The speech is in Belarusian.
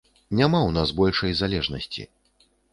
Няма ў нас большай залежнасці.